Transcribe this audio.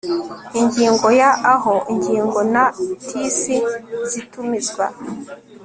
Ingigo ya Aho ingingo na tisi zitumizwa